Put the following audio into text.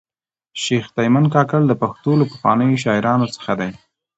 شېخ تیمن کاکړ د پښتو له پخوانیو شاعرانو څخه دﺉ.